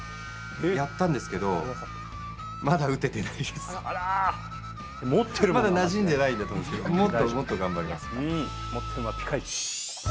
やったんですけどまだ、なじんでないんだと思うんですけど、もっともっと頑張ります。